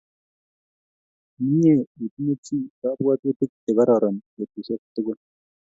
Mye itinye chi kapwotutik chekororon petusyek tukul